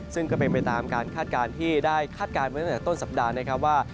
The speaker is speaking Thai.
ซึ่งก็เป็นไปตามการคาดการณ์ที่ได้คาดการณ์ไว้ตั้งแต่ต้นสัปดาห์นะครับว่า